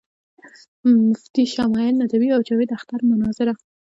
مفتی شمائل ندوي او جاوید اختر مناظره